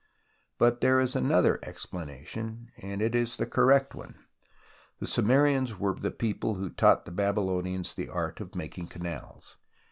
But there is another explanation, and the correct one. The Sumerians were the people who taught the Babylonians the art of making canals.